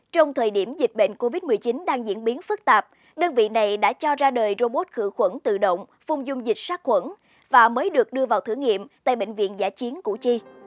trong thời điểm dịch bệnh covid một mươi chín đang diễn biến phức tạp đơn vị này đã cho ra đời robot khử khuẩn tự động phung dung dịch sát khuẩn và mới được đưa vào thử nghiệm tại bệnh viện giả chiến củ chi